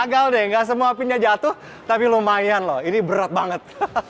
gagal deh gak semua pinnya jatuh tapi lumayan loh ini berat banget